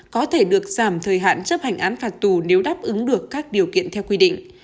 có thể được giảm thời hạn chấp hành án phạt tù nếu đáp ứng được các điều kiện theo quy định